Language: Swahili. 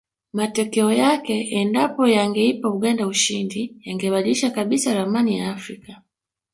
Matokeo yake endapo yangeipa Uganda ushindi yangebadilisha kabisa ramani ya afrika